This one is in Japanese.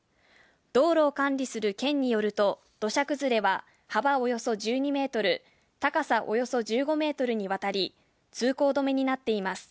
道路を管理する県によると、土砂崩れは幅およそ１２ｍ、高さおよそ１５ｍにわたり通行止めになっています。